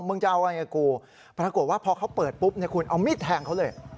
มึงจะเอาอะไรกับกูปรากฏว่าพอเขาเปิดปุ๊บเนี่ยคุณเอามีดแทงเขาเลย